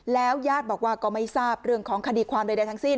ญาติบอกว่าก็ไม่ทราบเรื่องของคดีความใดทั้งสิ้น